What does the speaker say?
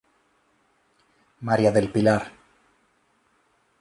Mª del Pilar.